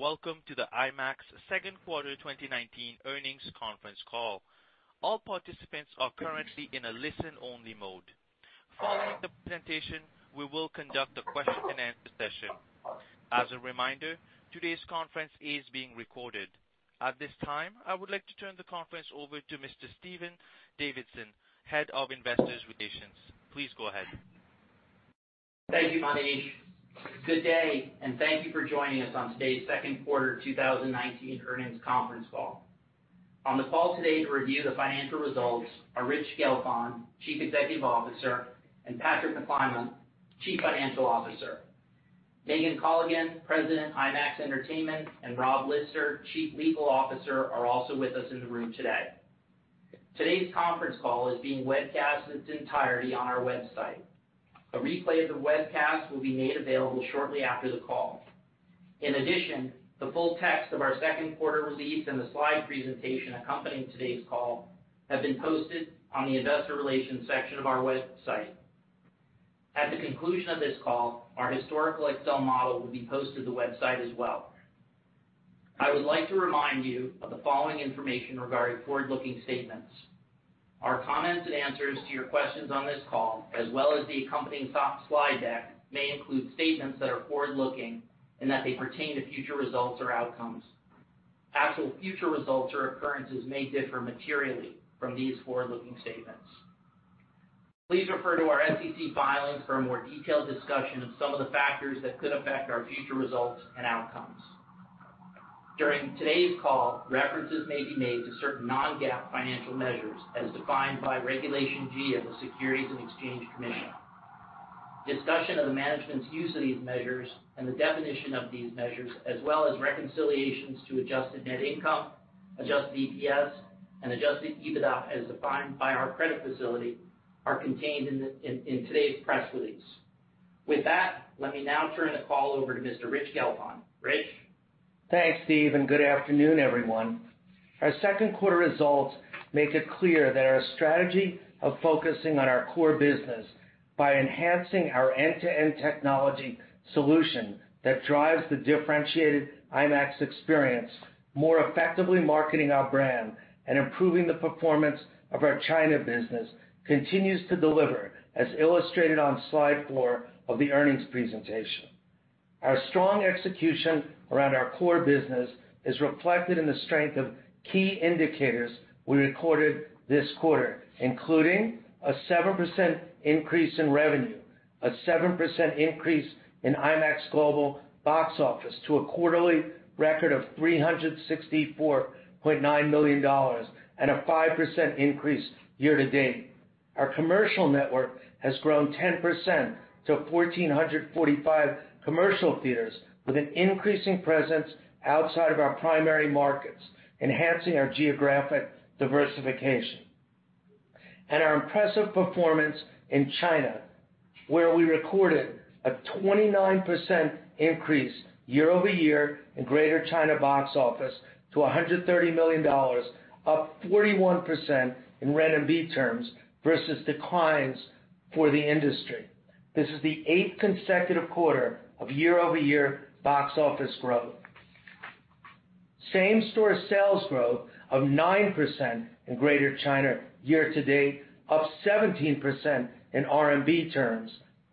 Welcome to the IMAX second quarter 2019 earnings conference call. All participants are currently in a listen-only mode. Following the presentation, we will conduct a question-and-answer session. As a reminder, today's conference is being recorded. At this time, I would like to turn the conference over to Mr. Stephen Davidson, Head of Investor Relations. Please go ahead. Thank you, Manish. Good day, and thank you for joining us on today's second quarter 2019 earnings conference call. On the call today to review the financial results are Rich Gelfond, Chief Executive Officer, and Patrick McClymont, Chief Financial Officer. Megan Colligan, President of IMAX Entertainment, and Rob Lister, Chief Legal Officer, are also with us in the room today. Today's conference call is being webcast in its entirety on our website. A replay of the webcast will be made available shortly after the call. In addition, the full text of our second quarter release and the slide presentation accompanying today's call have been posted on the Investor Relations section of our website. At the conclusion of this call, our historical Excel model will be posted to the website as well. I would like to remind you of the following information regarding forward-looking statements. Our comments and answers to your questions on this call, as well as the accompanying slide deck, may include statements that are forward-looking and that they pertain to future results or outcomes. Actual future results or occurrences may differ materially from these forward-looking statements. Please refer to our SEC filings for a more detailed discussion of some of the factors that could affect our future results and outcomes. During today's call, references may be made to certain non-GAAP financial measures as defined by Regulation G of the Securities and Exchange Commission. Discussion of the management's use of these measures and the definition of these measures, as well as reconciliations to adjusted net income, adjusted EPS, and adjusted EBITDA as defined by our credit facility, are contained in today's press release. With that, let me now turn the call over to Mr. Rich Gelfond. Rich. Thanks, Steve, and good afternoon, everyone. Our second quarter results make it clear that our strategy of focusing on our core business by enhancing our end-to-end technology solution that drives the differentiated IMAX experience, more effectively marketing our brand, and improving the performance of our China business, continues to deliver, as illustrated on slide four of the earnings presentation. Our strong execution around our core business is reflected in the strength of key indicators we recorded this quarter, including a 7% increase in revenue, a 7% increase in IMAX Global box office to a quarterly record of $364.9 million, and a 5% increase year to date. Our commercial network has grown 10% to 1,445 commercial theaters, with an increasing presence outside of our primary markets, enhancing our geographic diversification. Our impressive performance in China, where we recorded a 29% increase year-over-year in Greater China box office to $130 million, up 41% in rent and fee terms versus declines for the industry. This is the eighth consecutive quarter of year-over-year box office growth. Same-store sales growth of 9% in Greater China year to date, up 17% in rent and backend terms,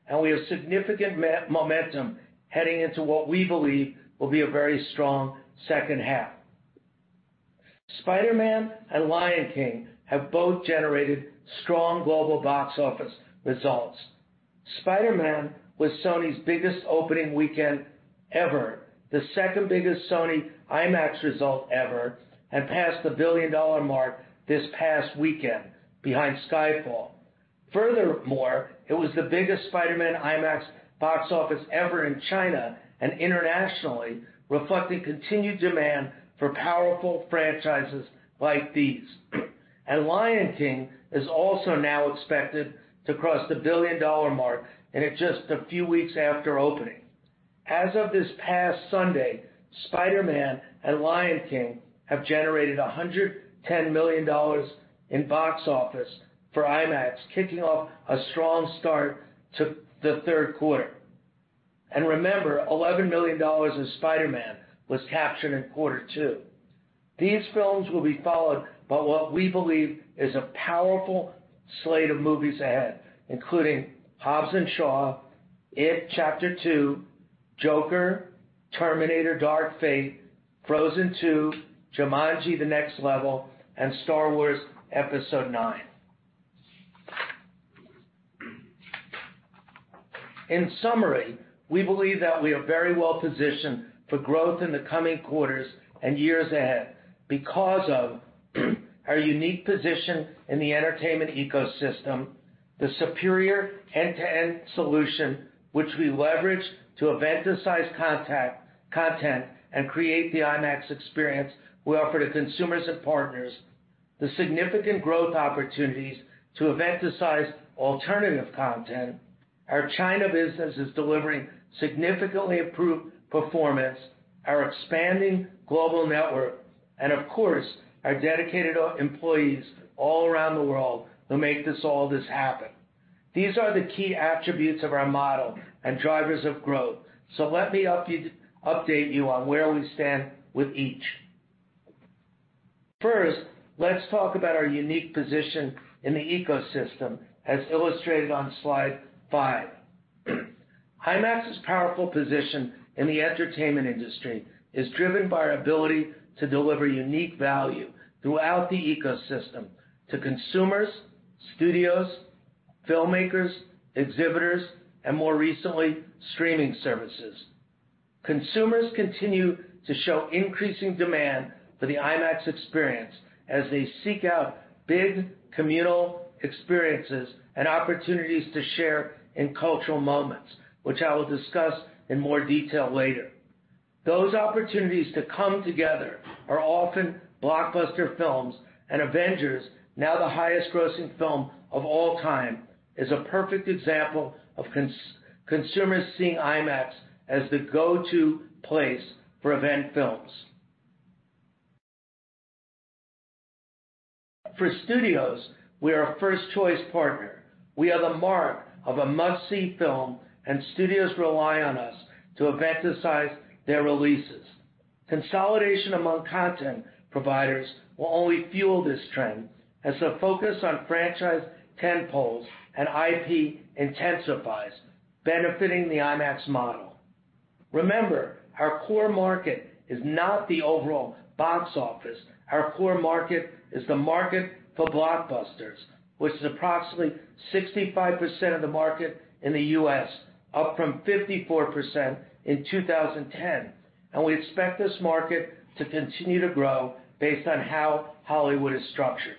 and we have significant momentum heading into what we believe will be a very strong second half. Spider-Man and Lion King have both generated strong global box office results. Spider-Man was Sony's biggest opening weekend ever, the second biggest Sony IMAX result ever, and passed the billion-dollar mark this past weekend, behind Skyfall. Furthermore, it was the biggest Spider-Man IMAX box office ever in China and internationally, reflecting continued demand for powerful franchises like these. And The Lion King is also now expected to cross the billion-dollar mark in just a few weeks after opening. As of this past Sunday, Spider-Man and The Lion King have generated $110 million in box office for IMAX, kicking off a strong start to the third quarter. And remember, $11 million in Spider-Man was captured in quarter two. These films will be followed by what we believe is a powerful slate of movies ahead, including Hobbs & Shaw, It Chapter Two, Joker, Terminator: Dark Fate, Frozen II, Jumanji: The Next Level, and Star Wars: Episode IX. In summary, we believe that we are very well positioned for growth in the coming quarters and years ahead because of our unique position in the entertainment ecosystem, the superior end-to-end solution, which we leverage to event-sized content and create the IMAX experience we offer to consumers and partners, the significant growth opportunities to event-sized alternative content, our China businesses delivering significantly improved performance, our expanding global network, and of course, our dedicated employees all around the world who make all this happen. These are the key attributes of our model and drivers of growth, so let me update you on where we stand with each. First, let's talk about our unique position in the ecosystem, as illustrated on slide five. IMAX's powerful position in the entertainment industry is driven by our ability to deliver unique value throughout the ecosystem to consumers, studios, filmmakers, exhibitors, and more recently, streaming services. Consumers continue to show increasing demand for the IMAX experience as they seek out big, communal experiences and opportunities to share in cultural moments, which I will discuss in more detail later. Those opportunities to come together are often blockbuster films, and Avengers, now the highest-grossing film of all time, is a perfect example of consumers seeing IMAX as the go-to place for event films. For studios, we are a first-choice partner. We are the mark of a must-see film, and studios rely on us to event-size their releases. Consolidation among content providers will only fuel this trend as the focus on franchise tentpoles and IP intensifies, benefiting the IMAX model. Remember, our core market is not the overall box office. Our core market is the market for blockbusters, which is approximately 65% of the market in the U.S., up from 54% in 2010, and we expect this market to continue to grow based on how Hollywood is structured.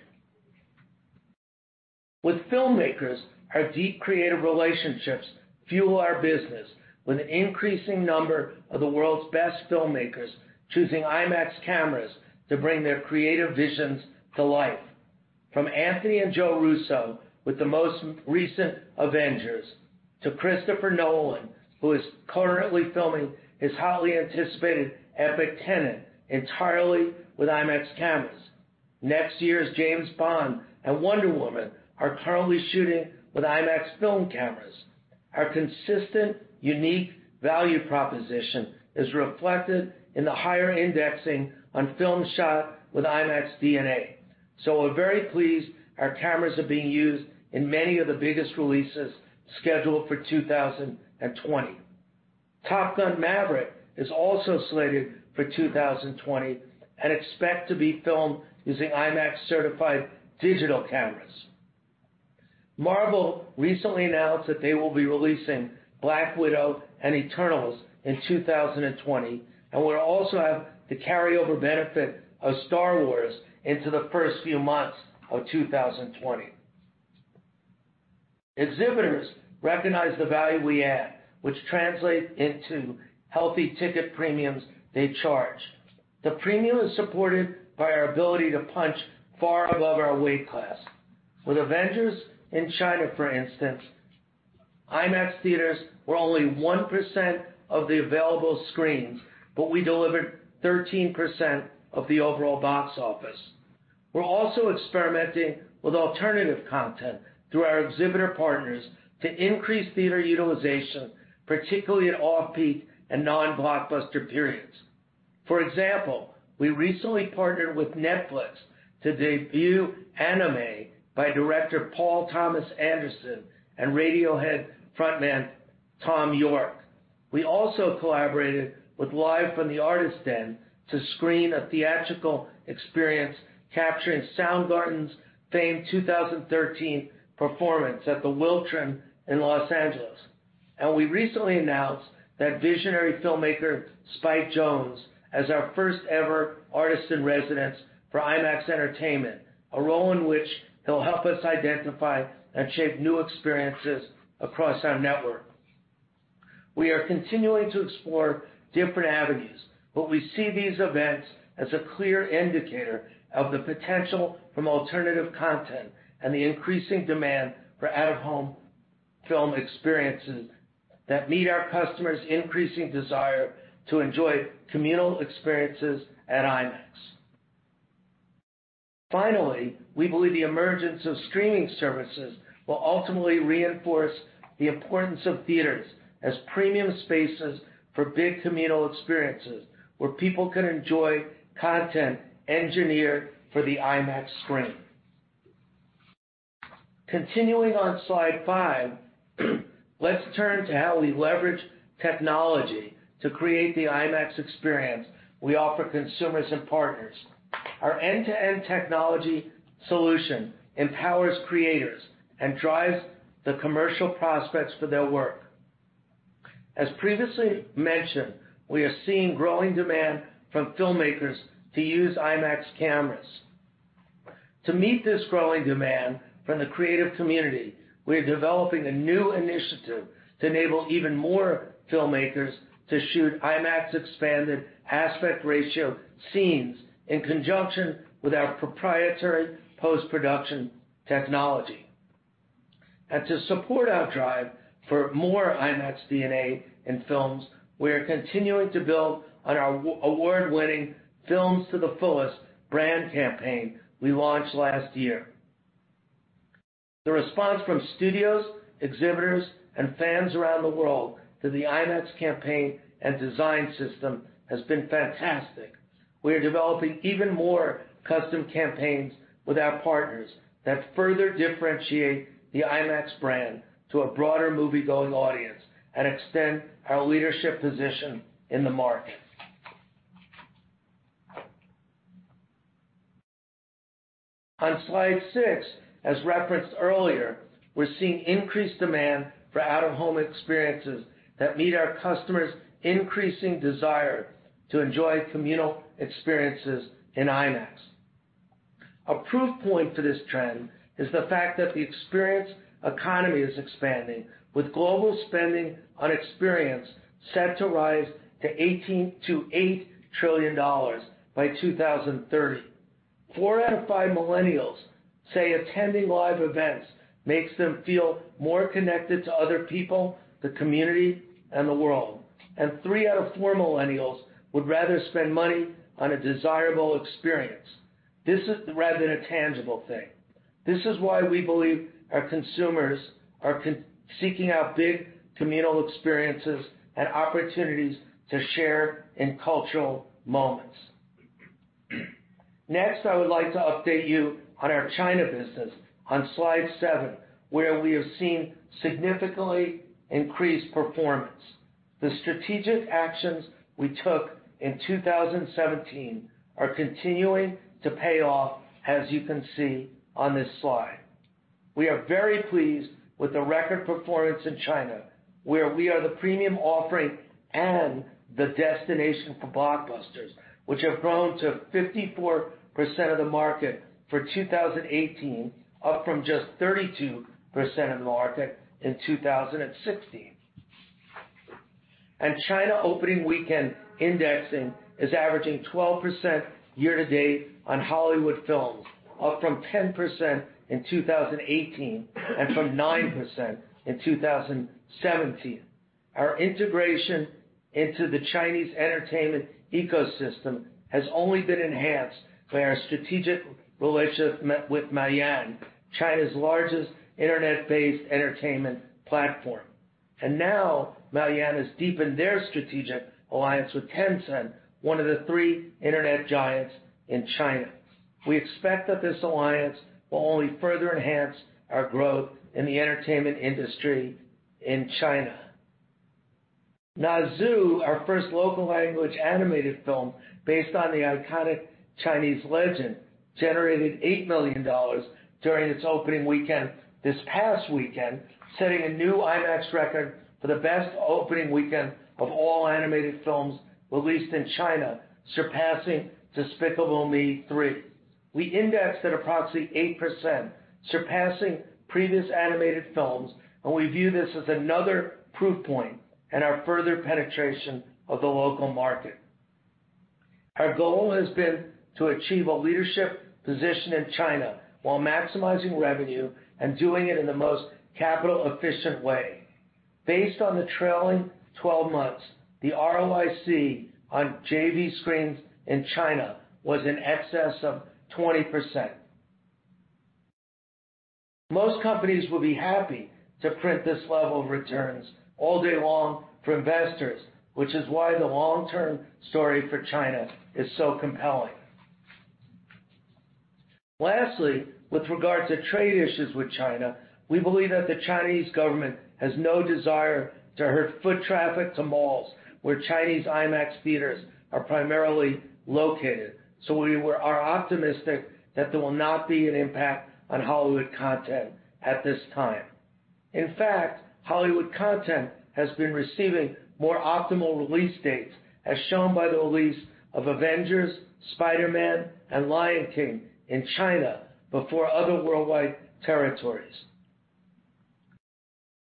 With filmmakers, our deep creative relationships fuel our business with an increasing number of the world's best filmmakers choosing IMAX cameras to bring their creative visions to life. From Anthony and Joe Russo with the most recent Avengers to Christopher Nolan, who is currently filming his hotly anticipated epic Tenet entirely with IMAX cameras. Next year's James Bond and Wonder Woman are currently shooting with IMAX film cameras. Our consistent, unique value proposition is reflected in the higher indexing on films shot with IMAX DNA, so we're very pleased our cameras are being used in many of the biggest releases scheduled for 2020. Top Gun: Maverick is also slated for 2020 and expected to be filmed using IMAX-certified digital cameras. Marvel recently announced that they will be releasing Black Widow and Eternals in 2020, and we'll also have the carryover benefit of Star Wars into the first few months of 2020. Exhibitors recognize the value we add, which translates into healthy ticket premiums they charge. The premium is supported by our ability to punch far above our weight class. With Avengers in China, for instance, IMAX theaters were only 1% of the available screens, but we delivered 13% of the overall box office. We're also experimenting with alternative content through our exhibitor partners to increase theater utilization, particularly at off-peak and non-blockbuster periods. For example, we recently partnered with Netflix to debut Anima by director Paul Thomas Anderson and Radiohead frontman Thom Yorke. We also collaborated with Live from the Artists Den to screen a theatrical experience capturing Soundgarden's famed 2013 performance at the Wiltern in Los Angeles, and we recently announced that visionary filmmaker Spike Jonze as our first-ever Artist-in-Residence for IMAX Entertainment, a role in which he'll help us identify and shape new experiences across our network. We are continuing to explore different avenues, but we see these events as a clear indicator of the potential from alternative content and the increasing demand for out-of-home film experiences that meet our customers' increasing desire to enjoy communal experiences at IMAX. Finally, we believe the emergence of streaming services will ultimately reinforce the importance of theaters as premium spaces for big communal experiences, where people can enjoy content engineered for the IMAX screen. Continuing on slide five, let's turn to how we leverage technology to create the IMAX experience we offer consumers and partners. Our end-to-end technology solution empowers creators and drives the commercial prospects for their work. As previously mentioned, we are seeing growing demand from filmmakers to use IMAX cameras. To meet this growing demand from the creative community, we are developing a new initiative to enable even more filmmakers to shoot IMAX-expanded aspect ratio scenes in conjunction with our proprietary post-production technology, and to support our drive for more IMAX DNA in films, we are continuing to build on our award-winning Films to the Fullest brand campaign we launched last year. The response from studios, exhibitors, and fans around the world to the IMAX campaign and design system has been fantastic. We are developing even more custom campaigns with our partners that further differentiate the IMAX brand to a broader moviegoing audience and extend our leadership position in the market. On slide six, as referenced earlier, we're seeing increased demand for out-of-home experiences that meet our customers' increasing desire to enjoy communal experiences in IMAX. A proof point for this trend is the fact that the experience economy is expanding, with global spending on experience set to rise to $18 trillion-$8 trillion by 2030. Four out of five millennials say attending live events makes them feel more connected to other people, the community, and the world, and three out of four millennials would rather spend money on a desirable experience rather than a tangible thing. This is why we believe our consumers are seeking out big communal experiences and opportunities to share in cultural moments. Next, I would like to update you on our China business on slide seven, where we have seen significantly increased performance. The strategic actions we took in 2017 are continuing to pay off, as you can see on this slide. We are very pleased with the record performance in China, where we are the premium offering and the destination for blockbusters, which have grown to 54% of the market for 2018, up from just 32% of the market in 2016. China opening weekend indexing is averaging 12% year to date on Hollywood films, up from 10% in 2018 and from 9% in 2017. Our integration into the Chinese entertainment ecosystem has only been enhanced by our strategic relationship with Maoyan, China's largest internet-based entertainment platform. Now, Maoyan has deepened their strategic alliance with Tencent, one of the three internet giants in China. We expect that this alliance will only further enhance our growth in the entertainment industry in China. Ne Zha, our first local-language animated film based on the iconic Chinese legend, generated $8 million during its opening weekend this past weekend, setting a new IMAX record for the best opening weekend of all animated films released in China, surpassing Despicable Me 3. We indexed at approximately 8%, surpassing previous animated films, and we view this as another proof point in our further penetration of the local market. Our goal has been to achieve a leadership position in China while maximizing revenue and doing it in the most capital-efficient way. Based on the trailing 12 months, the ROIC on JV screens in China was in excess of 20%. Most companies will be happy to print this level of returns all day long for investors, which is why the long-term story for China is so compelling. Lastly, with regard to trade issues with China, we believe that the Chinese government has no desire to hurt foot traffic to malls where Chinese IMAX theaters are primarily located, so we are optimistic that there will not be an impact on Hollywood content at this time. In fact, Hollywood content has been receiving more optimal release dates, as shown by the release of Avengers, Spider-Man, and Lion King in China before other worldwide territories.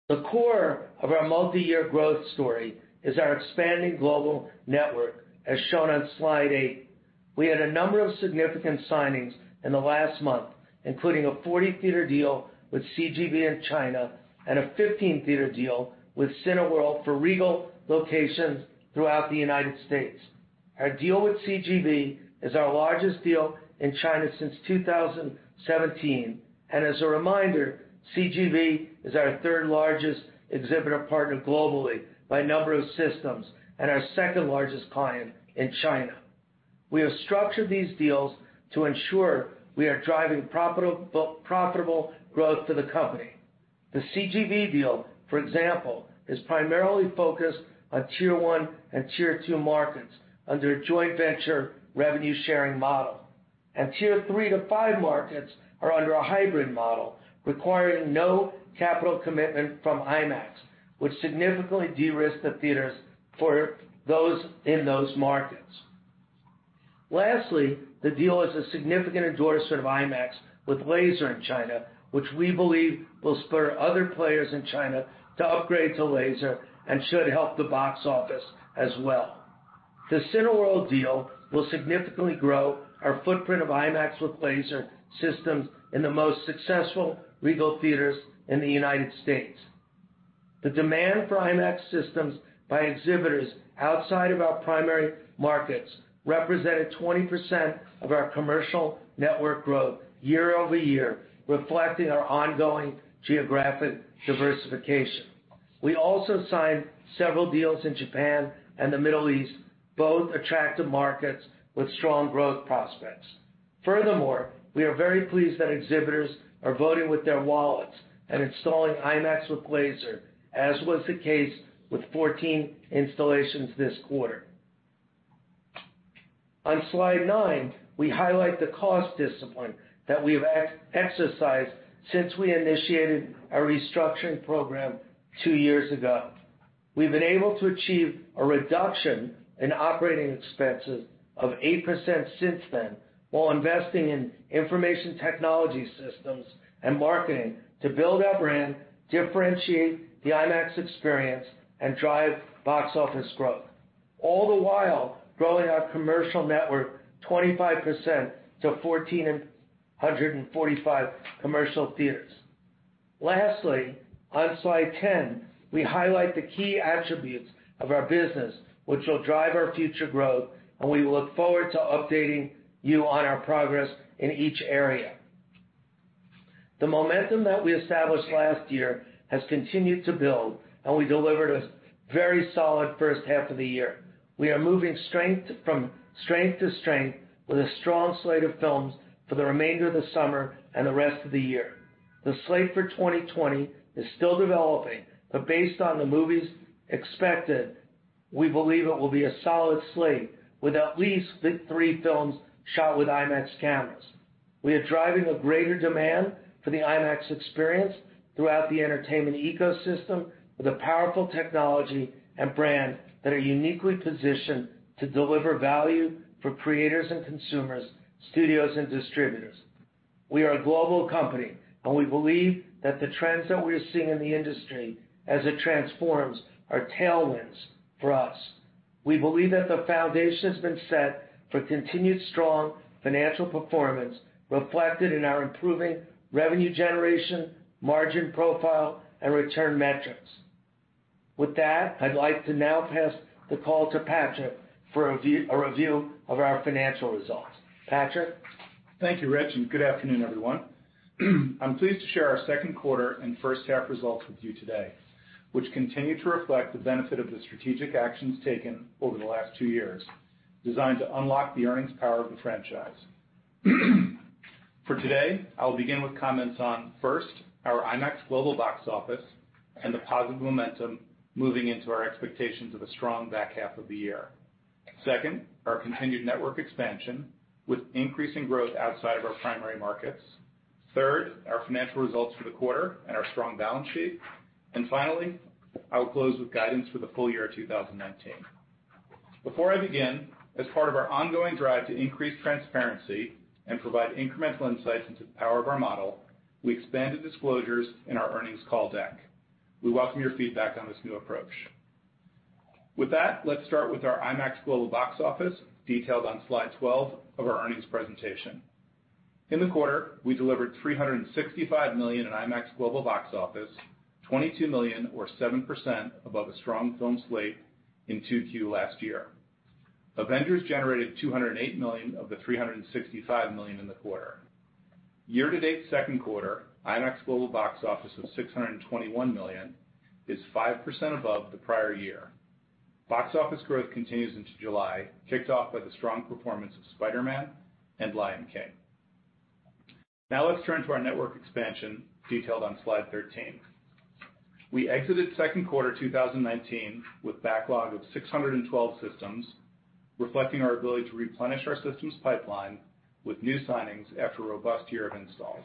The core of our multi-year growth story is our expanding global network, as shown on slide eight. We had a number of significant signings in the last month, including a 40-theater deal with CGV in China and a 15-theater deal with Cineworld for regional locations throughout the United States. Our deal with CGV is our largest deal in China since 2017, and as a reminder, CGV is our third-largest exhibitor partner globally by number of systems and our second-largest client in China. We have structured these deals to ensure we are driving profitable growth for the company. The CGV deal, for example, is primarily focused on tier one and tier two markets under a joint venture revenue-sharing model, and tier three to five markets are under a hybrid model requiring no capital commitment from IMAX, which significantly de-risked the theaters in those markets. Lastly, the deal is a significant endorsement of IMAX with Laser in China, which we believe will spur other players in China to upgrade to Laser and should help the box office as well. The Cineworld deal will significantly grow our footprint of IMAX with Laser systems in the most successful Regal theaters in the United States. The demand for IMAX systems by exhibitors outside of our primary markets represented 20% of our commercial network growth year-over-year, reflecting our ongoing geographic diversification. We also signed several deals in Japan and the Middle East, both attractive markets with strong growth prospects. Furthermore, we are very pleased that exhibitors are voting with their wallets and installing IMAX with Laser, as was the case with 14 installations this quarter. On slide nine, we highlight the cost discipline that we have exercised since we initiated our restructuring program two years ago. We've been able to achieve a reduction in operating expenses of 8% since then, while investing in information technology systems and marketing to build our brand, differentiate the IMAX experience, and drive box office growth, all the while growing our commercial network 25% to 1,445 commercial theaters. Lastly, on slide ten, we highlight the key attributes of our business, which will drive our future growth, and we look forward to updating you on our progress in each area. The momentum that we established last year has continued to build, and we delivered a very solid first half of the year. We are moving strength from strength to strength with a strong slate of films for the remainder of the summer and the rest of the year. The slate for 2020 is still developing, but based on the movies expected, we believe it will be a solid slate with at least three films shot with IMAX cameras. We are driving a greater demand for the IMAX experience throughout the entertainment ecosystem with a powerful technology and brand that are uniquely positioned to deliver value for creators and consumers, studios, and distributors. We are a global company, and we believe that the trends that we are seeing in the industry as it transforms are tailwinds for us. We believe that the foundation has been set for continued strong financial performance reflected in our improving revenue generation, margin profile, and return metrics. With that, I'd like to now pass the call to Patrick for a review of our financial results. Patrick. Thank you, Rich, and good afternoon, everyone. I'm pleased to share our second quarter and first half results with you today, which continue to reflect the benefit of the strategic actions taken over the last two years, designed to unlock the earnings power of the franchise. For today, I'll begin with comments on, first, our IMAX global box office and the positive momentum moving into our expectations of a strong back half of the year. Second, our continued network expansion with increasing growth outside of our primary markets. Third, our financial results for the quarter and our strong balance sheet. And finally, I'll close with guidance for the full year of 2019. Before I begin, as part of our ongoing drive to increase transparency and provide incremental insights into the power of our model, we expanded disclosures in our earnings call deck. We welcome your feedback on this new approach. With that, let's start with our IMAX global box office, detailed on slide 12 of our earnings presentation. In the quarter, we delivered $365 million in IMAX global box office, $22 million, or 7% above a strong film slate in 2Q last year. Avengers generated $208 million of the $365 million in the quarter. Year-to-date second quarter, IMAX global box office of $621 million is 5% above the prior year. Box office growth continues into July, kicked off by the strong performance of Spider-Man and Lion King. Now let's turn to our network expansion, detailed on slide 13. We exited second quarter 2019 with backlog of 612 systems, reflecting our ability to replenish our systems pipeline with new signings after a robust year of installs.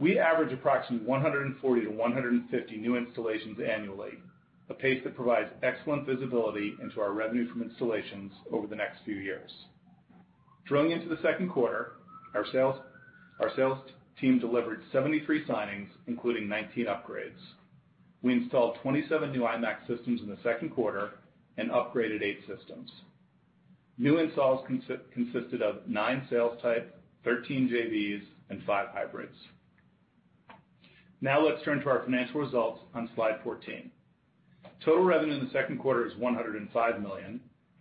We average approximately 140-150 new installations annually, a pace that provides excellent visibility into our revenue from installations over the next few years. Drilling into the second quarter, our sales team delivered 73 signings, including 19 upgrades. We installed 27 new IMAX systems in the second quarter and upgraded eight systems. New installs consisted of nine sales types, 13 JVs, and five hybrids. Now let's turn to our financial results on slide 14. Total revenue in the second quarter is $105 million,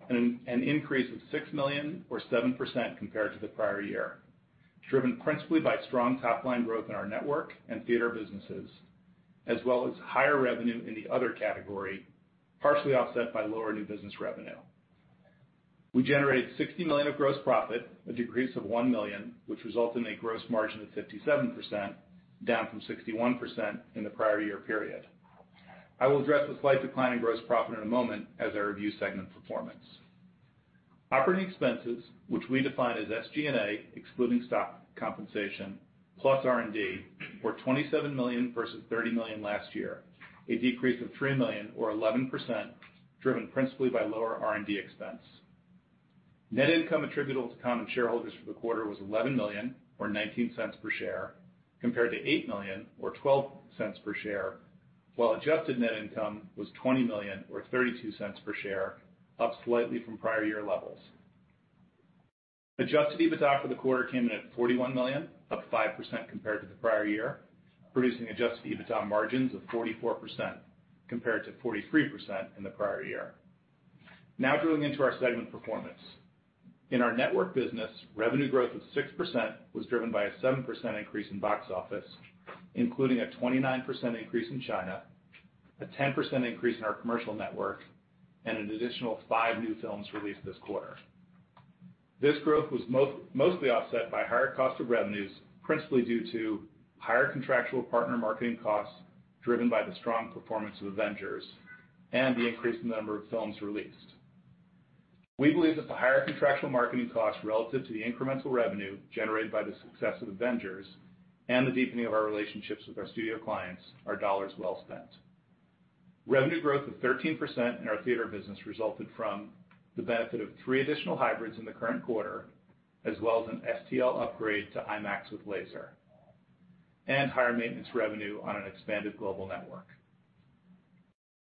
an increase of $6 million, or 7% compared to the prior year, driven principally by strong top-line growth in our network and theater businesses, as well as higher revenue in the other category, partially offset by lower new business revenue. We generated $60 million of gross profit, a decrease of $1 million, which resulted in a gross margin of 57%, down from 61% in the prior year period. I will address the slight decline in gross profit in a moment as I review segment performance. Operating expenses, which we define as SG&A, excluding stock compensation, plus R&D, were $27 million versus $30 million last year, a decrease of $3 million, or 11%, driven principally by lower R&D expense. Net income attributable to common shareholders for the quarter was $11 million, or $0.19 per share, compared to $8 million, or $0.12 per share, while adjusted net income was $20 million, or $0.32 per share, up slightly from prior year levels. Adjusted EBITDA for the quarter came in at $41 million, up 5% compared to the prior year, producing adjusted EBITDA margins of 44% compared to 43% in the prior year. Now drilling into our segment performance. In our network business, revenue growth of 6% was driven by a 7% increase in box office, including a 29% increase in China, a 10% increase in our commercial network, and an additional five new films released this quarter. This growth was mostly offset by higher cost of revenues, principally due to higher contractual partner marketing costs driven by the strong performance of Avengers and the increase in the number of films released. We believe that the higher contractual marketing costs relative to the incremental revenue generated by the success of Avengers and the deepening of our relationships with our studio clients are dollars well spent. Revenue growth of 13% in our theater business resulted from the benefit of three additional hybrids in the current quarter, as well as an ST upgrade to IMAX with Laser, and higher maintenance revenue on an expanded global network.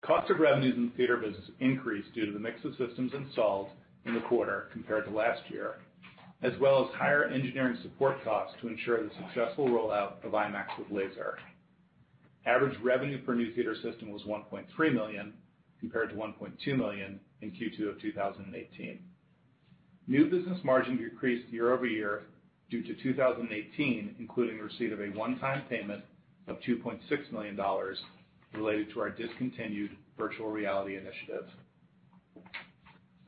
Cost of revenues in the theater business increased due to the mix of systems installed in the quarter compared to last year, as well as higher engineering support costs to ensure the successful rollout of IMAX with Laser. Average revenue per new theater system was $1.3 million compared to $1.2 million in Q2 of 2018. New business margin decreased year-over-year due to 2018, including the receipt of a one-time payment of $2.6 million related to our discontinued virtual reality initiative.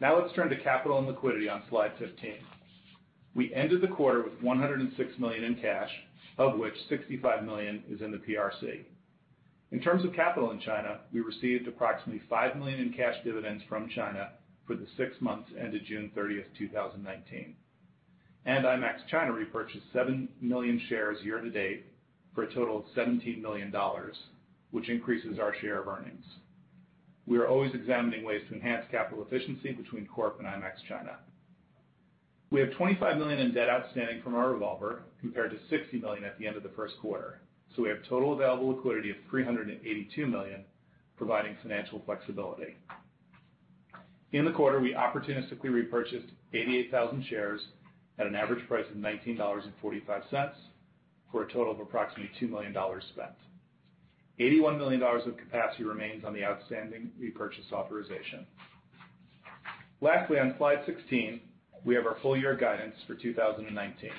Now let's turn to capital and liquidity on slide 15. We ended the quarter with $106 million in cash, of which $65 million is in the PRC. In terms of capital in China, we received approximately $5 million in cash dividends from China for the six months ended June 30, 2019. IMAX China repurchased seven million shares year-to-date for a total of $17 million, which increases our share of earnings. We are always examining ways to enhance capital efficiency between Corp and IMAX China. We have $25 million in debt outstanding from our revolver compared to $60 million at the end of the first quarter, so we have total available liquidity of $382 million, providing financial flexibility. In the quarter, we opportunistically repurchased 88,000 shares at an average price of $19.45 for a total of approximately $2 million spent. $81 million of capacity remains on the outstanding repurchase authorization. Lastly, on slide 16, we have our full year guidance for 2019.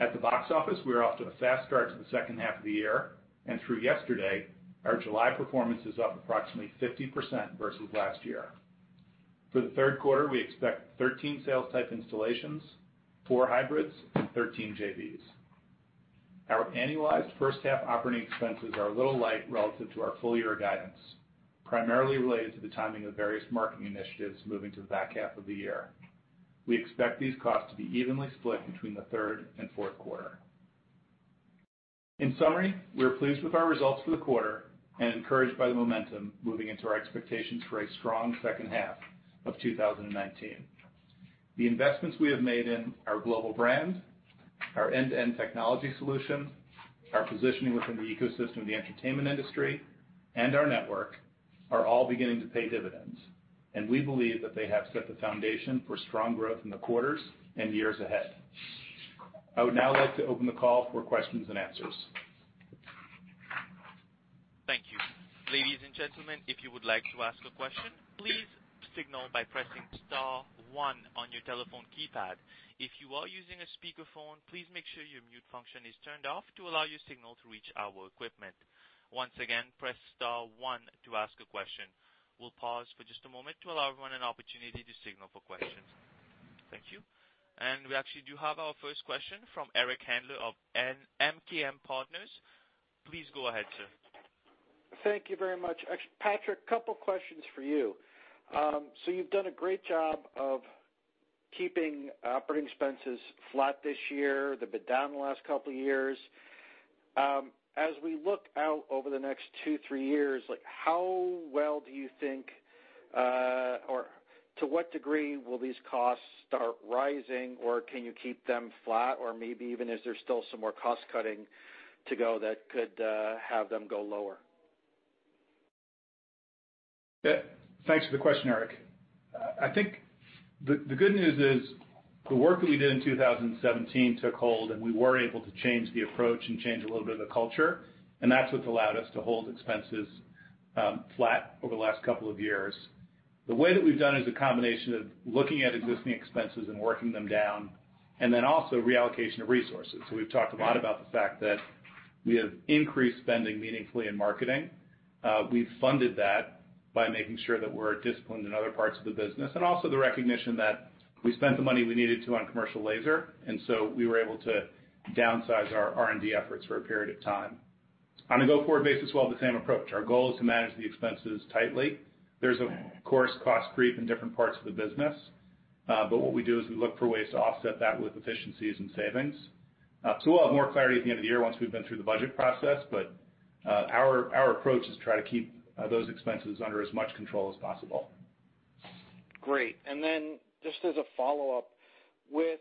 At the box office, we are off to a fast start to the second half of the year, and through yesterday, our July performance is up approximately 50% versus last year. For the third quarter, we expect 13 sales-type installations, four hybrids, and 13 JVs. Our annualized first half operating expenses are a little light relative to our full year guidance, primarily related to the timing of various marketing initiatives moving to the back half of the year. We expect these costs to be evenly split between the third and fourth quarter. In summary, we are pleased with our results for the quarter and encouraged by the momentum moving into our expectations for a strong second half of 2019. The investments we have made in our global brand, our end-to-end technology solution, our positioning within the ecosystem of the entertainment industry, and our network are all beginning to pay dividends, and we believe that they have set the foundation for strong growth in the quarters and years ahead. I would now like to open the call for questions and answers. Thank you. Ladies and gentlemen, if you would like to ask a question, please signal by pressing star one on your telephone keypad. If you are using a speakerphone, please make sure your mute function is turned off to allow your signal to reach our equipment. Once again, press star one to ask a question. We'll pause for just a moment to allow everyone an opportunity to signal for questions. Thank you. And we actually do have our first question from Eric Handler of MKM Partners. Please go ahead, sir. Thank you very much. Patrick, a couple of questions for you. So you've done a great job of keeping operating expenses flat this year. They've been down the last couple of years. As we look out over the next two, three years, how well do you think, or to what degree will these costs start rising, or can you keep them flat, or maybe even is there still some more cost cutting to go that could have them go lower? Thanks for the question, Eric. I think the good news is the work that we did in 2017 took hold, and we were able to change the approach and change a little bit of the culture, and that's what's allowed us to hold expenses flat over the last couple of years. The way that we've done is a combination of looking at existing expenses and working them down, and then also reallocation of resources. So we've talked a lot about the fact that we have increased spending meaningfully in marketing. We've funded that by making sure that we're disciplined in other parts of the business, and also the recognition that we spent the money we needed to on commercial laser, and so we were able to downsize our R&D efforts for a period of time. On a go-forward basis, we'll have the same approach. Our goal is to manage the expenses tightly. There's, of course, cost creep in different parts of the business, but what we do is we look for ways to offset that with efficiencies and savings. So we'll have more clarity at the end of the year once we've been through the budget process, but our approach is to try to keep those expenses under as much control as possible. Great. And then just as a follow-up, with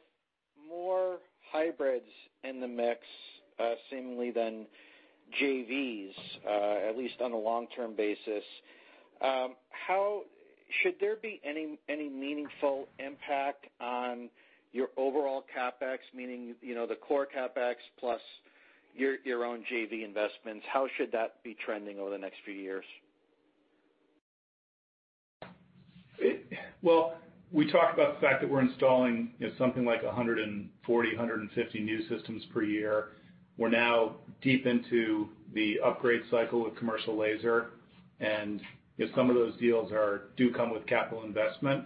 more hybrids in the mix, seemingly then JVs, at least on a long-term basis, should there be any meaningful impact on your overall CapEx, meaning the core CapEx plus your own JV investments? How should that be trending over the next few years? Well, we talked about the fact that we're installing something like 140, 150 new systems per year. We're now deep into the upgrade cycle with commercial laser, and some of those deals do come with capital investment.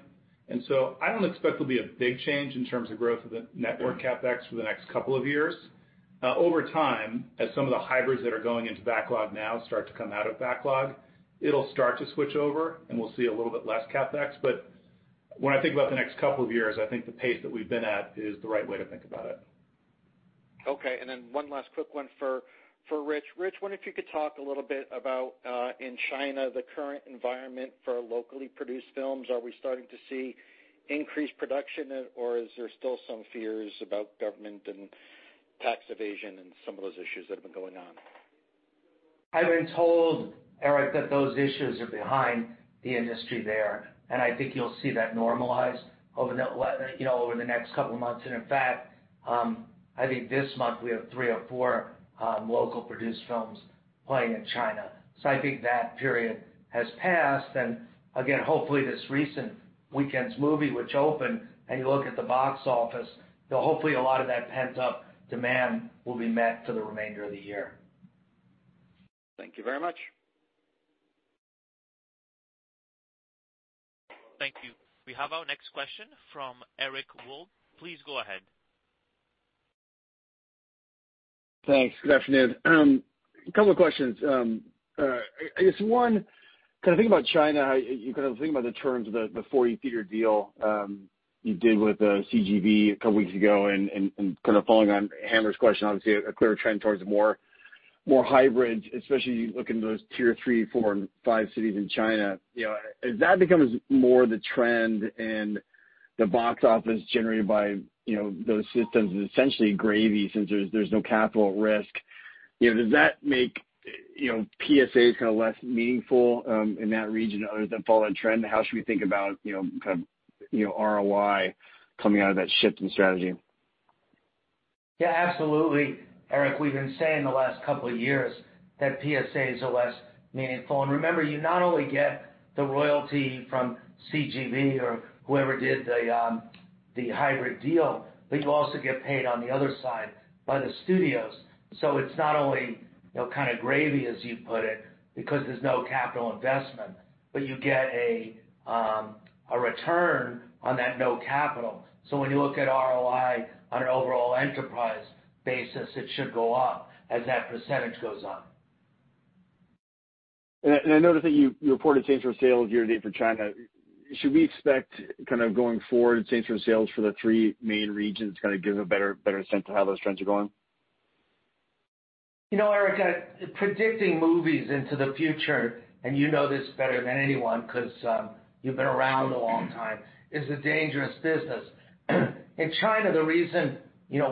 And so I don't expect there'll be a big change in terms of growth of the network CapEx for the next couple of years. Over time, as some of the hybrids that are going into backlog now start to come out of backlog, it'll start to switch over, and we'll see a little bit less CapEx. But when I think about the next couple of years, I think the pace that we've been at is the right way to think about it. Okay. And then one last quick one for Rich. Rich, I wonder if you could talk a little bit about, in China, the current environment for locally produced films. Are we starting to see increased production, or is there still some fears about government and tax evasion and some of those issues that have been going on? I've been told, Eric, that those issues are behind the industry there, and I think you'll see that normalize over the next couple of months. And in fact, I think this month we have three or four locally produced films playing in China. So I think that period has passed, and again, hopefully this recent weekend's movie, which opened, and you look at the box office, hopefully a lot of that pent-up demand will be met for the remainder of the year. Thank you very much. Thank you. We have our next question from Eric Wold. Please go ahead. Thanks. Good afternoon. A couple of questions. I guess one, kind of thinking about China, you kind of think about the terms of the 40-theater deal you did with CGV a couple of weeks ago, and kind of following on Eric's question, obviously a clear trend towards more hybrids, especially looking at those tier three, four, and five cities in China. As that becomes more the trend and the box office generated by those systems is essentially gravy since there's no capital at risk, does that make PSAs kind of less meaningful in that region other than following trend? How should we think about kind of ROI coming out of that shift in strategy? Yeah, absolutely. Eric, we've been saying the last couple of years that PSAs are less meaningful. And remember, you not only get the royalty from CGV or whoever did the hybrid deal, but you also get paid on the other side by the studios. So it's not only kind of gravy, as you put it, because there's no capital investment, but you get a return on that no capital. So when you look at ROI on an overall enterprise basis, it should go up as that percentage goes up. I noticed that you reported change in sales year-to-date for China. Should we expect kind of going forward to change in sales for the three main regions to kind of give a better sense of how those trends are going? You know, Eric, predicting movies into the future, and you know this better than anyone because you've been around a long time, is a dangerous business. In China, the reason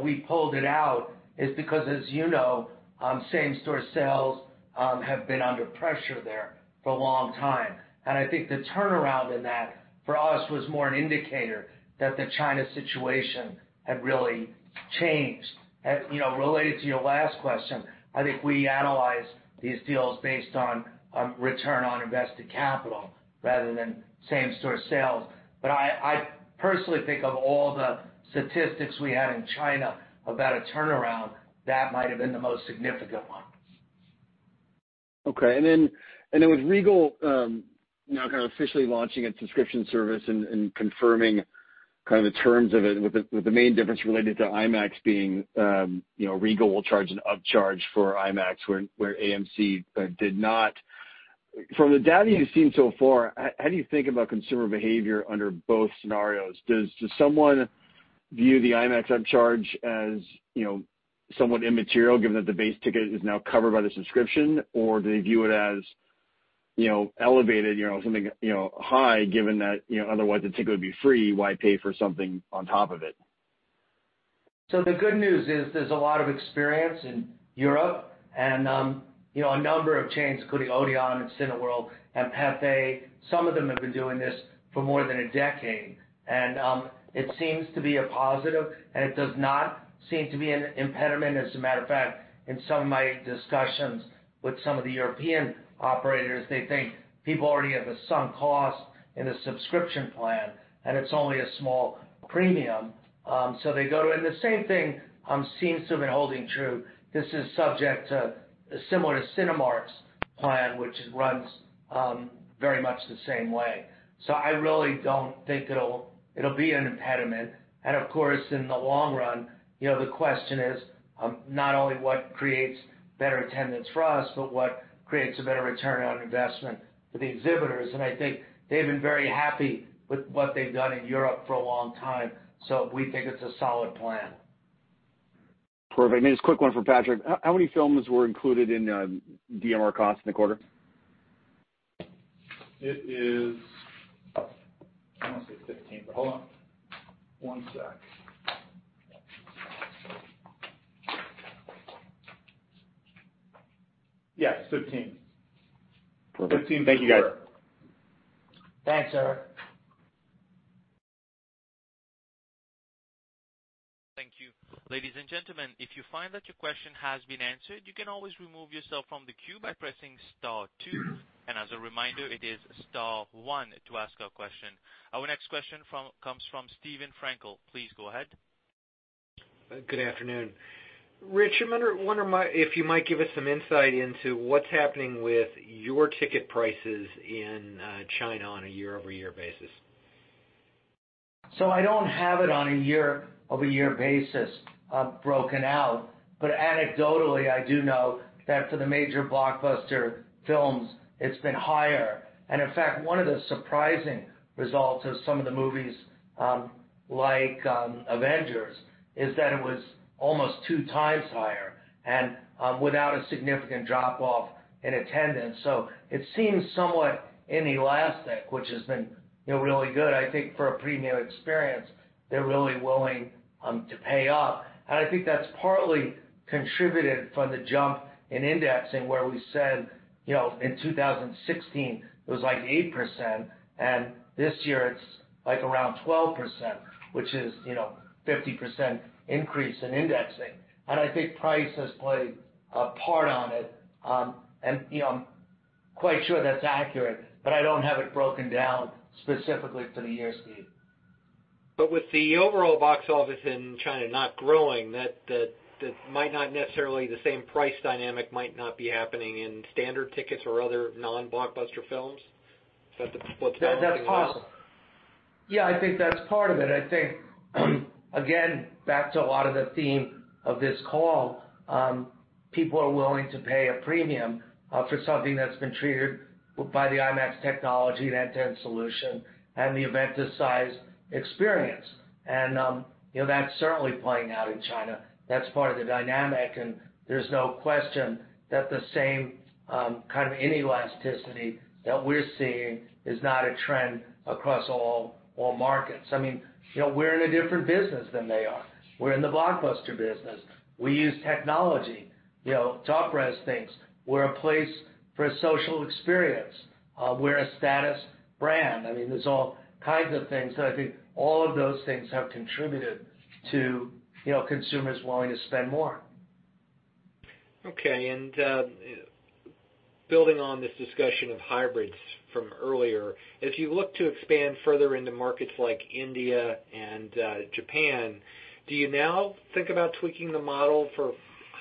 we pulled it out is because, as you know, same-store sales have been under pressure there for a long time. And I think the turnaround in that for us was more an indicator that the China situation had really changed. Related to your last question, I think we analyze these deals based on return on invested capital rather than same-store sales. But I personally think of all the statistics we had in China about a turnaround that might have been the most significant one. Okay. And then with Regal now kind of officially launching its subscription service and confirming kind of the terms of it, with the main difference related to IMAX being Regal will charge an upcharge for IMAX, where AMC did not. From the data you've seen so far, how do you think about consumer behavior under both scenarios? Does someone view the IMAX upcharge as somewhat immaterial given that the base ticket is now covered by the subscription, or do they view it as elevated, something high, given that otherwise the ticket would be free? Why pay for something on top of it? The good news is there's a lot of experience in Europe, and a number of chains, including Odeon, and Cineworld, and Pathé, some of them have been doing this for more than a decade. And it seems to be a positive, and it does not seem to be an impediment. As a matter of fact, in some of my discussions with some of the European operators, they think people already have a sunk cost in the subscription plan, and it's only a small premium. So they go to it. And the same thing seems to have been holding true. This is subject to similar to Cineworld's plan, which runs very much the same way. So I really don't think it'll be an impediment. And of course, in the long run, the question is not only what creates better attendance for us, but what creates a better return on investment for the exhibitors. And I think they've been very happy with what they've done in Europe for a long time, so we think it's a solid plan. Perfect. And just a quick one for Patrick. How many films were included in DMR cost in the quarter? It is, I want to say 15, but hold on one sec. Yes, 15. Perfect. Thank you, guys. Thanks, Eric. Thank you. Ladies and gentlemen, if you find that your question has been answered, you can always remove yourself from the queue by pressing star two. And as a reminder, it is star one to ask a question. Our next question comes from Steven Frankel. Please go ahead. Good afternoon. Rich, I wonder if you might give us some insight into what's happening with your ticket prices in China on a year-over-year basis. So I don't have it on a year-over-year basis broken out, but anecdotally, I do know that for the major blockbuster films, it's been higher. And in fact, one of the surprising results of some of the movies like Avengers is that it was almost two times higher and without a significant drop-off in attendance. So it seems somewhat inelastic, which has been really good. I think for a premier experience, they're really willing to pay up. And I think that's partly contributed from the jump in indexing, where we said in 2016 it was like 8%, and this year it's like around 12%, which is a 50% increase in indexing. And I think price has played a part on it. I'm quite sure that's accurate, but I don't have it broken down specifically for the years, Steve. But with the overall box office in China not growing, that might not necessarily the same price dynamic might not be happening in standard tickets or other non-blockbuster films. Is that what's been happening? Yeah, that's possible. Yeah, I think that's part of it. I think, again, back to a lot of the theme of this call, people are willing to pay a premium for something that's been treated by the IMAX technology and end-to-end solution and the event-sized experience. And that's certainly playing out in China. That's part of the dynamic, and there's no question that the same kind of inelasticity that we're seeing is not a trend across all markets. I mean, we're in a different business than they are. We're in the blockbuster business. We use technology, top-tier things. We're a place for a social experience. We're a status brand. I mean, there's all kinds of things. So I think all of those things have contributed to consumers willing to spend more. Okay. And building on this discussion of hybrids from earlier, if you look to expand further into markets like India and Japan, do you now think about tweaking the model for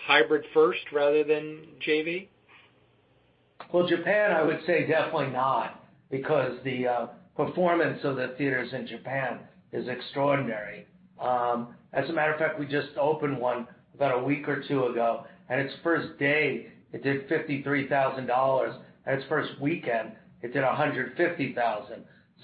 hybrid-first rather than JV? Well, Japan, I would say definitely not, because the performance of the theaters in Japan is extraordinary. As a matter of fact, we just opened one about a week or two ago, and its first day, it did $53,000. And its first weekend, it did $150,000.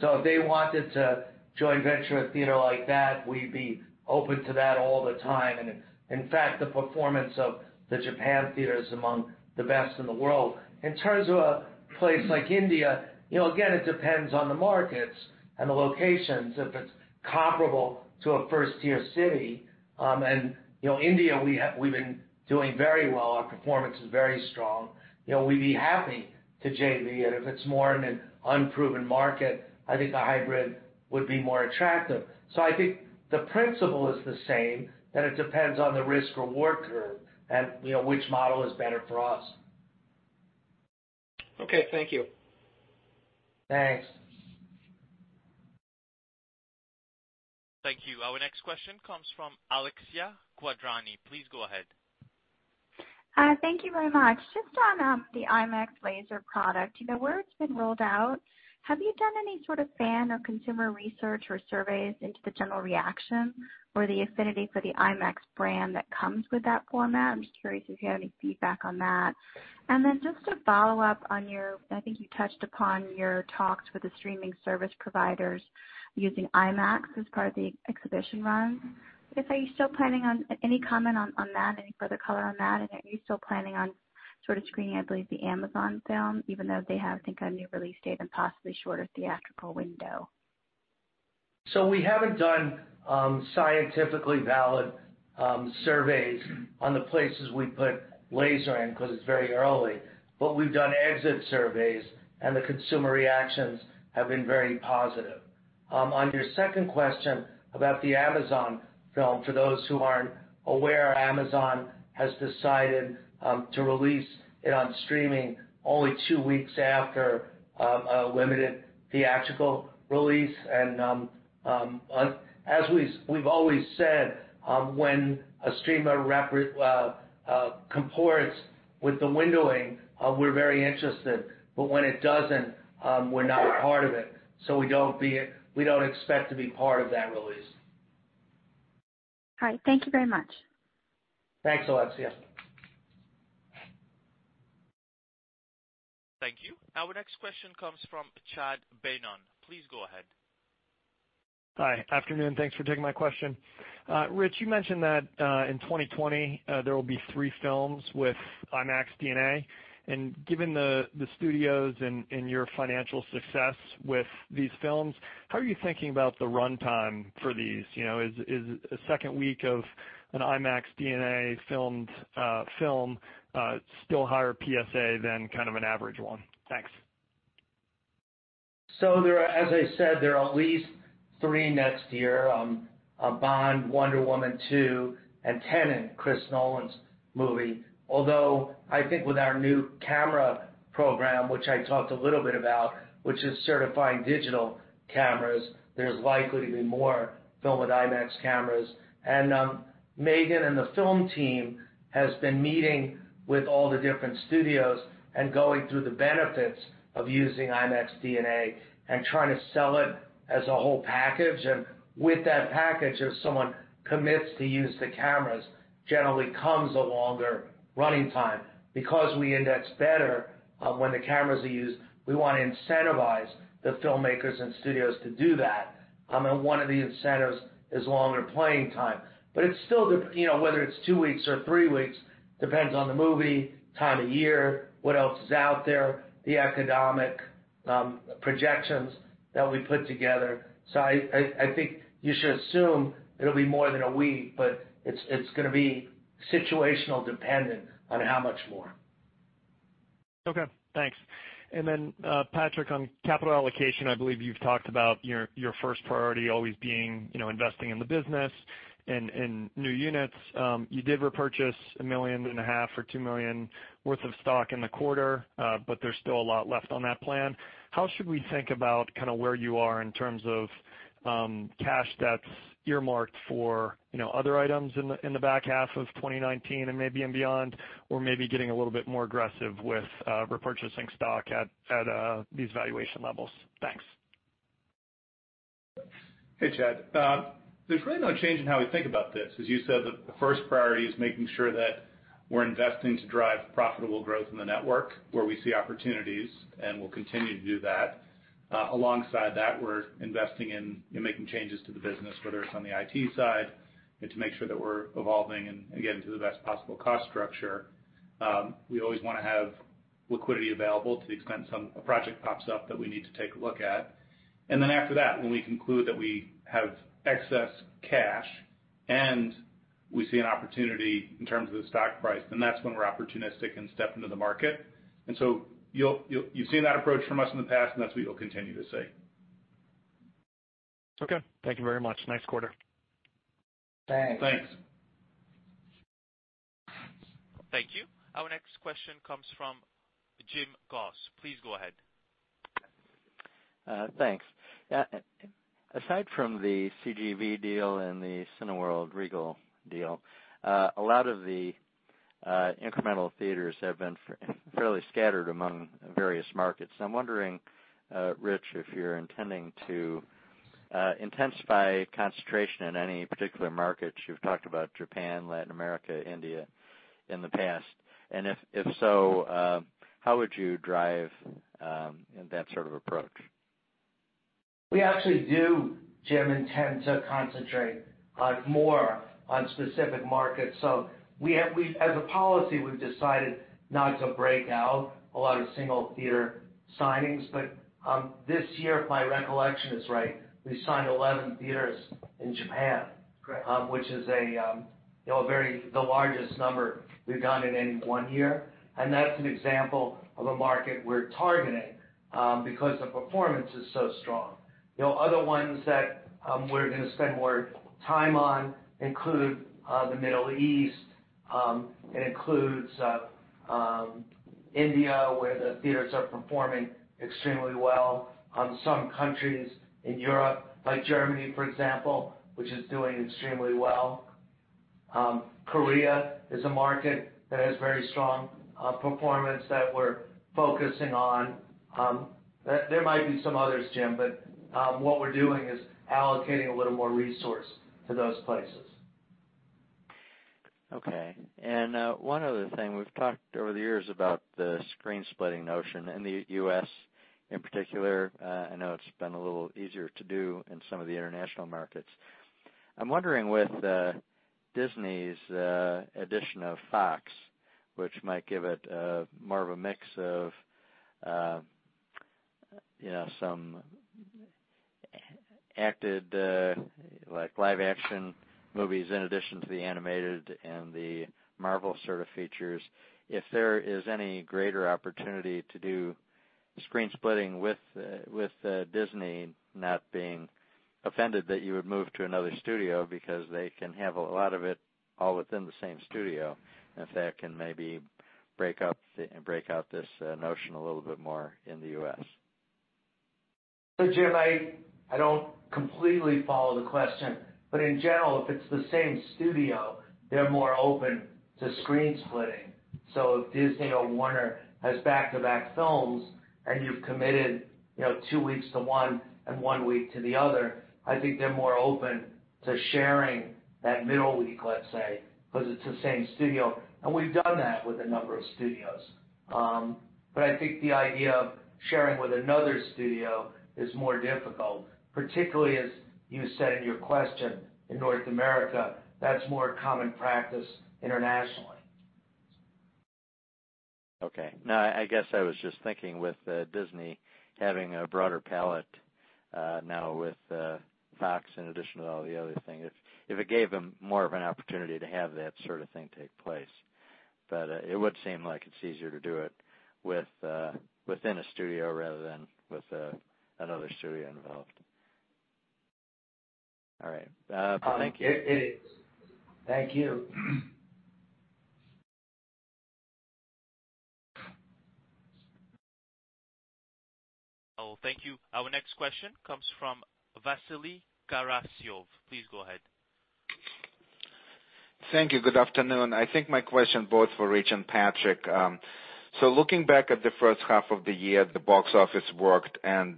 So if they wanted to joint venture a theater like that, we'd be open to that all the time. And in fact, the performance of the Japan theaters is among the best in the world. In terms of a place like India, again, it depends on the markets and the locations. If it's comparable to a first-tier city in India, we've been doing very well. Our performance is very strong. We'd be happy to JV it. If it's more in an unproven market, I think a hybrid would be more attractive. So I think the principle is the same, that it depends on the risk-reward curve and which model is better for us. Okay. Thank you. Thanks. Thank you. Our next question comes from Alexia Quadrani. Please go ahead. Thank you very much. Just on the IMAX laser product, where it's been rolled out, have you done any sort of fan or consumer research or surveys into the general reaction or the affinity for the IMAX brand that comes with that format? I'm just curious if you have any feedback on that. And then just to follow up on your, I think you touched upon your talks with the streaming service providers using IMAX as part of the exhibition runs. Are you still planning on any comment on that, any further color on that? And are you still planning on sort of screening, I believe, the Amazon film, even though they have, I think, a new release date and possibly shorter theatrical window? So we haven't done scientifically valid surveys on the places we put laser in because it's very early. But we've done exit surveys, and the consumer reactions have been very positive. On your second question about the Amazon film, for those who aren't aware, Amazon has decided to release it on streaming only two weeks after a limited theatrical release. And as we've always said, when a streamer comports with the windowing, we're very interested. But when it doesn't, we're not part of it. So we don't expect to be part of that release. All right. Thank you very much. Thanks, Alexia. Thank you. Our next question comes from Chad Beynon. Please go ahead. Hi. Afternoon. Thanks for taking my question. Rich, you mentioned that in 2020, there will be three films with IMAX DNA. And given the studios and your financial success with these films, how are you thinking about the runtime for these? Is a second week of an IMAX DNA-filmed film still higher PSA than kind of an average one? Thanks. So as I said, there are at least three next year: Bond, Wonder Woman 2, and Tenet, Chris Nolan's movie. Although I think with our new camera program, which I talked a little bit about, which is certifying digital cameras, there's likely to be more film with IMAX cameras. Megan and the film team have been meeting with all the different studios and going through the benefits of using IMAX DNA and trying to sell it as a whole package. With that package, if someone commits to use the cameras, generally comes a longer running time. Because we index better when the cameras are used, we want to incentivize the filmmakers and studios to do that. One of the incentives is longer playing time. It's still whether it's two weeks or three weeks, depends on the movie, time of year, what else is out there, the economic projections that we put together. I think you should assume it'll be more than a week, but it's going to be situational dependent on how much more. Okay. Thanks. And then Patrick, on capital allocation, I believe you've talked about your first priority always being investing in the business and new units. You did repurchase $1.5 million or $2 million worth of stock in the quarter, but there's still a lot left on that plan. How should we think about kind of where you are in terms of cash that's earmarked for other items in the back half of 2019 and maybe beyond, or maybe getting a little bit more aggressive with repurchasing stock at these valuation levels? Thanks. Hey, Chad. There's really no change in how we think about this. As you said, the first priority is making sure that we're investing to drive profitable growth in the network where we see opportunities, and we'll continue to do that. Alongside that, we're investing in making changes to the business, whether it's on the IT side, to make sure that we're evolving and getting to the best possible cost structure. We always want to have liquidity available to the extent some project pops up that we need to take a look at. And then after that, when we conclude that we have excess cash and we see an opportunity in terms of the stock price, then that's when we're opportunistic and step into the market. And so you've seen that approach from us in the past, and that's what you'll continue to see. Okay. Thank you very much. Nice quarter. Thanks. Thanks. Thank you. Our next question comes from Jim Goss. Please go ahead. Thanks. Aside from the CGV deal and the Cineworld/Regal deal, a lot of the incremental theaters have been fairly scattered among various markets. I'm wondering, Rich, if you're intending to intensify concentration in any particular markets. You've talked about Japan, Latin America, India in the past. And if so, how would you drive that sort of approach? We actually do, Jim, intend to concentrate more on specific markets. So as a policy, we've decided not to break out a lot of single-theater signings. But this year, if my recollection is right, we signed 11 theaters in Japan, which is the largest number we've done in any one year. And that's an example of a market we're targeting because the performance is so strong. Other ones that we're going to spend more time on include the Middle East. It includes India, where the theaters are performing extremely well. Some countries in Europe, like Germany, for example, which is doing extremely well. Korea is a market that has very strong performance that we're focusing on. There might be some others, Jim, but what we're doing is allocating a little more resource to those places. Okay. One other thing. We've talked over the years about the screen-splitting notion in the U.S., in particular. I know it's been a little easier to do in some of the international markets. I'm wondering with Disney's addition of Fox, which might give it more of a mix of some actual, like live-action movies, in addition to the animated and the Marvel sort of features, if there is any greater opportunity to do screen-splitting with Disney, not being offended that you would move to another studio because they can have a lot of it all within the same studio, if that can maybe break out this notion a little bit more in the U.S.? Jim, I don't completely follow the question. But in general, if it's the same studio, they're more open to screen-splitting. So if Disney or Warner has back-to-back films and you've committed two weeks to one and one week to the other, I think they're more open to sharing that middle week, let's say, because it's the same studio. And we've done that with a number of studios. But I think the idea of sharing with another studio is more difficult, particularly, as you said in your question, in North America. That's more common practice internationally. Okay. No, I guess I was just thinking with Disney having a broader palette now with Fox, in addition to all the other things, if it gave them more of an opportunity to have that sort of thing take place. But it would seem like it's easier to do it within a studio rather than with another studio involved. All right. Thank you. It is. Thank you. Oh, thank you. Our next question comes from Vasily Karasyov. Please go ahead. Thank you. Good afternoon. I think my question is both for Rich and Patrick. So looking back at the first half of the year, the box office worked, and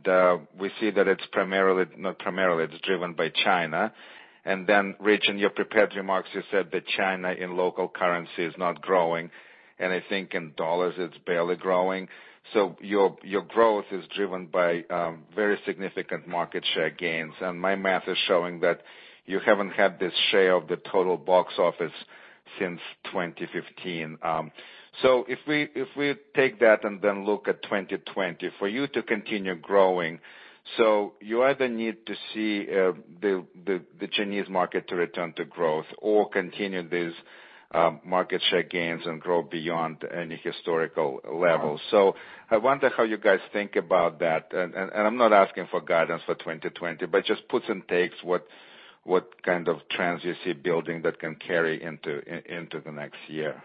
we see that it's driven by China. And then, Rich, in your prepared remarks, you said that China in local currency is not growing. And I think in dollars, it's barely growing. So your growth is driven by very significant market share gains. And my math is showing that you haven't had this share of the total box office since 2015. So if we take that and then look at 2020, for you to continue growing, so you either need to see the Chinese market to return to growth or continue these market share gains and grow beyond any historical level. So I wonder how you guys think about that. And I'm not asking for guidance for 2020, but just puts and takes what kind of trends you see building that can carry into the next year.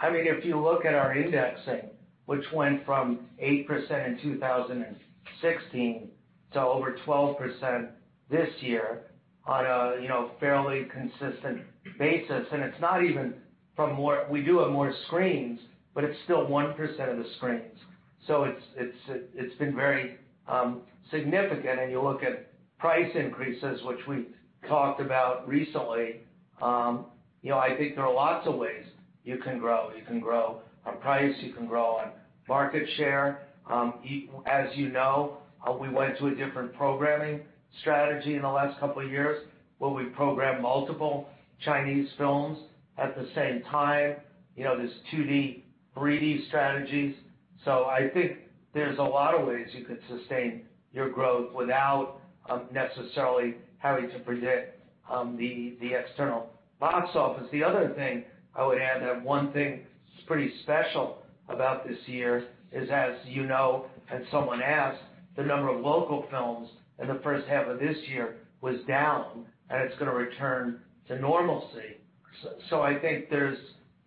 I mean, if you look at our indexing, which went from 8% in 2016 to over 12% this year on a fairly consistent basis. And it's not even from more we do have more screens, but it's still 1% of the screens. So it's been very significant. And you look at price increases, which we talked about recently, I think there are lots of ways you can grow. You can grow on price. You can grow on market share. As you know, we went to a different programming strategy in the last couple of years where we programmed multiple Chinese films at the same time. There's 2D, 3D strategies. So I think there's a lot of ways you could sustain your growth without necessarily having to predict the external box office. The other thing I would add, that one thing that's pretty special about this year is, as you know, and someone asked, the number of local films in the first half of this year was down, and it's going to return to normalcy. So I think there's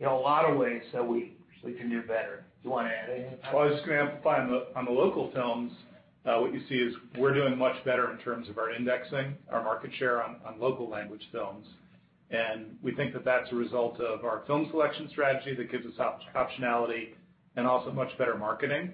a lot of ways that we can do better. Do you want to add anything? Well, I was just going to amplify on the local films. What you see is we're doing much better in terms of our indexing, our market share on local language films. And we think that that's a result of our film selection strategy that gives us optionality and also much better marketing.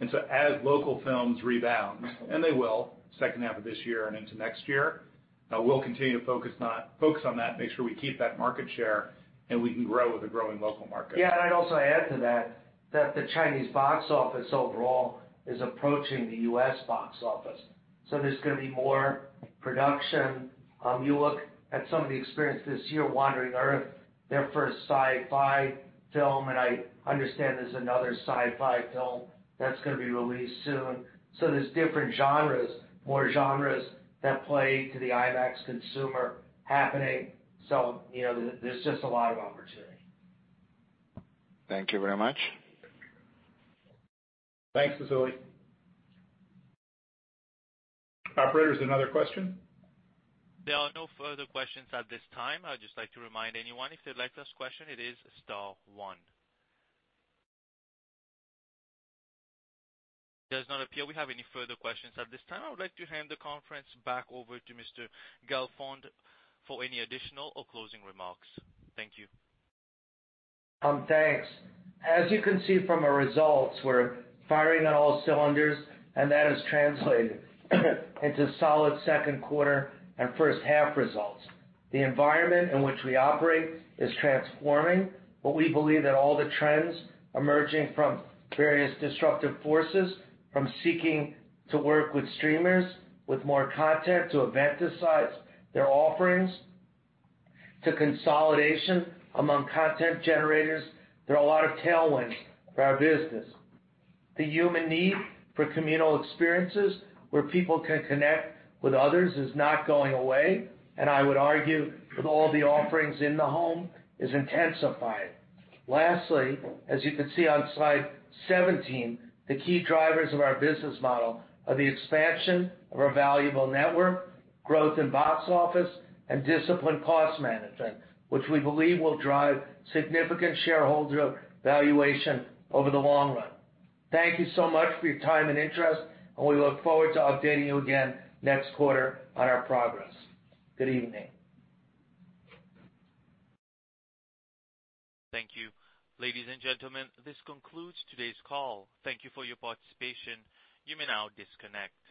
And so as local films rebound, and they will second half of this year and into next year, we'll continue to focus on that, make sure we keep that market share, and we can grow with a growing local market. Yeah. And I'd also add to that that the Chinese box office overall is approaching the U.S. box office. So there's going to be more production. You look at some of the experience this year, Wandering Earth, their first sci-fi film. And I understand there's another sci-fi film that's going to be released soon. So there's different genres, more genres that play to the IMAX consumer happening. So there's just a lot of opportunity. Thank you very much. Thanks, Vasily. Operators, another question? There are no further questions at this time. I'd just like to remind anyone if they'd like to ask a question, it is star one. Does not appear we have any further questions at this time. I would like to hand the conference back over to Mr. Gelfond for any additional or closing remarks. Thank you. Thanks. As you can see from our results, we're firing on all cylinders, and that has translated into solid second quarter and first half results. The environment in which we operate is transforming, but we believe that all the trends emerging from various disruptive forces, from seeking to work with streamers with more content to eventize their offerings to consolidation among content generators, there are a lot of tailwinds for our business. The human need for communal experiences where people can connect with others is not going away, and I would argue with all the offerings in the home is intensifying. Lastly, as you can see on slide 17, the key drivers of our business model are the expansion of our valuable network, growth in box office, and disciplined cost management, which we believe will drive significant shareholder valuation over the long run. Thank you so much for your time and interest, and we look forward to updating you again next quarter on our progress. Good evening. Thank you. Ladies and gentlemen, this concludes today's call. Thank you for your participation. You may now disconnect.